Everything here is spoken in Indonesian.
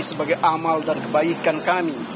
sebagai amal dan kebaikan kami